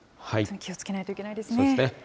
本当に気をつけないといけないですね。